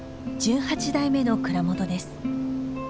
１８代目の蔵元です。